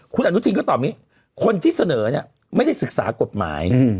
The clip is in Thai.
คุณอนุทินก็ตอบอย่างนี้คนที่เสนอเนี่ยไม่ได้ศึกษากฎหมาย